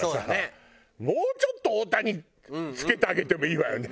もうちょっと大谷付けてあげてもいいわよね。